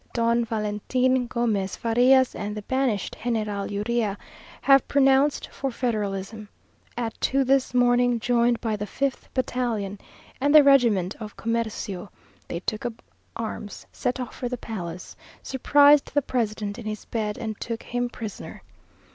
Don Valentin Gomez Farias and the banished General Urrea have pronounced for federalism. At two this morning, joined by the fifth battalion and the regiment of comercio, they took up arms, set off for the palace, surprised the president in his bed, and took him prisoner.